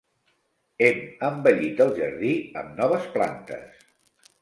Hem embellit el jardí amb noves plantes.